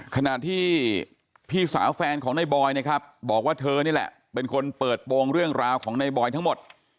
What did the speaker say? ขณะที่พี่สาวแฟนของในบอยนะครับบอกว่าเธอนี่แหละเป็นคนเปิดโปรงเรื่องราวของในบอยทั้งหมด